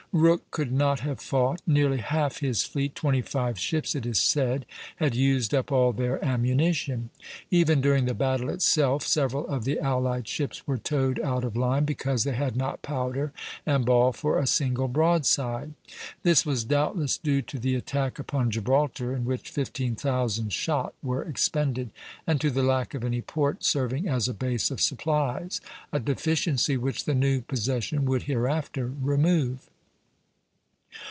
Rooke could not have fought; nearly half his fleet, twenty five ships, it is said, had used up all their ammunition. Even during the battle itself several of the allied ships were towed out of line, because they had not powder and ball for a single broadside. This was doubtless due to the attack upon Gibraltar, in which fifteen thousand shot were expended, and to the lack of any port serving as a base of supplies, a deficiency which the new possession would hereafter remove.